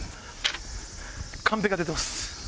カンペが出てます。